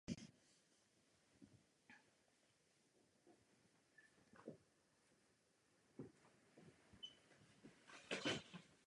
Byl polského původu a povoláním námořní kapitán.